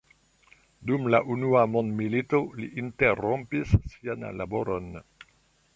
Dum la unua mondmilito li interrompis sian laboron.